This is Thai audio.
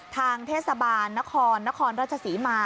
ทางเทศบาลนครนครราชศรีมา